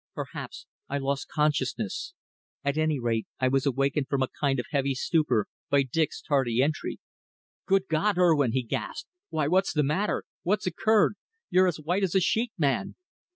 Perhaps I lost consciousness. At any rate I was awakened from a kind of heavy stupor by Dick's tardy entry. "Good God, Urwin!" he gasped. "Why, what's the matter? What's occurred? You're as white as a sheet, man!"